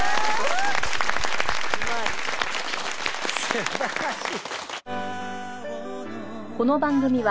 素晴らしい。